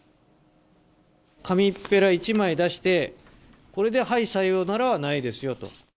紙っぺら１枚出して、これで、はい、さようならはないですよと。